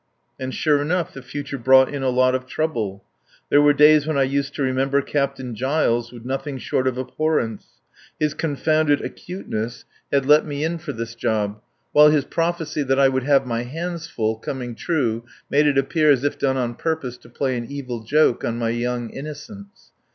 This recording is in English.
And, sure enough, the future brought in a lot of trouble. There were days when I used to remember Captain Giles with nothing short of abhorrence. His confounded acuteness had let me in for this job; while his prophecy that I "would have my hands full" coming true, made it appear as if done on purpose to play an evil joke on my young innocence.